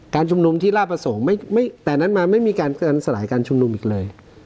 ชุมนุมที่ลาบประสงค์แต่นั้นมาไม่มีการสลายการชุมนุมอีกเลย